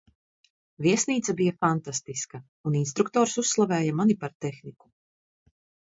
Viesnīca bija fantastiska, un instruktors uzslavēja mani par tehniku.